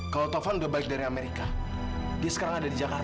kalau taufan udah baik dari amerika dia sekarang ada di jakarta